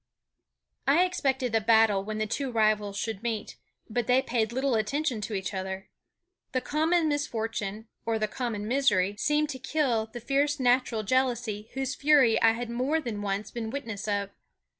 I expected a battle when the two rivals should meet; but they paid little attention to each other. The common misfortune, or the common misery, seemed to kill the fierce natural jealousy whose fury I had more than once been witness of.